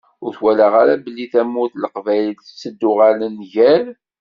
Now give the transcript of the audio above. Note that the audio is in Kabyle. Ur twalaḍ ara belli tamurt n Leqbayel tetteddu ɣer nnger?